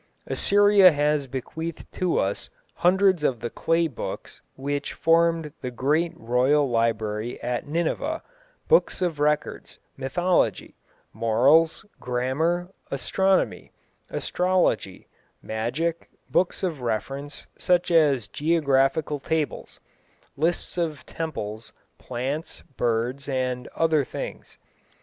Assyria has bequeathed to us hundreds of the clay books which formed the great royal library at Nineveh, books of records, mythology, morals, grammar, astronomy, astrology, magic; books of reference, such as geographical tables, lists of temples, plants, birds, and other things.